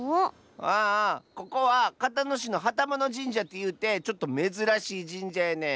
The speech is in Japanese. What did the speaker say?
ああここはかたのしのはたものじんじゃってゆうてちょっとめずらしいじんじゃやねん。